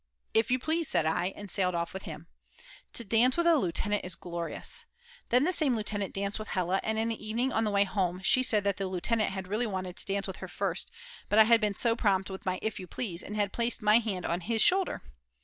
"If you please," said I, and sailed off with him. To dance with a lieutenant is glorious. Then the same lieutenant danced with Hella and in the evening on the way home she said that the lieutenant had really wanted to dance with her first, but I had been so prompt with my "If you please" and had placed my hand on his shoulder.